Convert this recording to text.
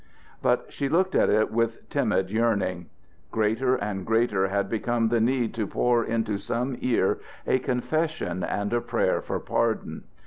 But she looked at it with timid yearning. Greater and greater had become the need to pour into some ear a confession and a prayer for pardon.